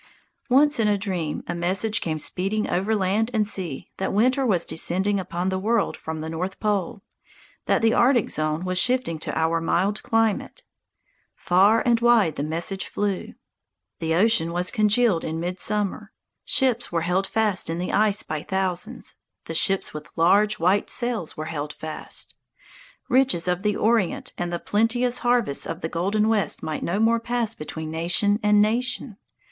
Once in a dream a message came speeding over land and sea that winter was descending upon the world from the North Pole, that the Arctic zone was shifting to our mild climate. Far and wide the message flew. The ocean was congealed in midsummer. Ships were held fast in the ice by thousands, the ships with large, white sails were held fast. Riches of the Orient and the plenteous harvests of the Golden West might no more pass between nation and nation.